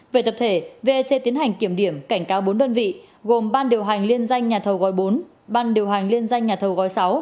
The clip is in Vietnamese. về tập thể vec tiến hành kiểm điểm cảnh cáo bốn đơn vị gồm ban điều hành liên danh nhà thầu gói bốn ban điều hành liên danh nhà thầu gói sáu